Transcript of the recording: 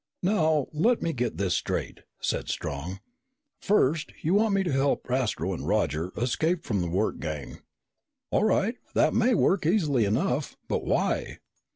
"Now, let me get this straight," said Strong. "First you want me to help Astro and Roger escape from the work gang. All right, that may work easily enough. But why?"